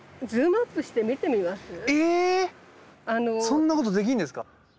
そんなことできるんですか！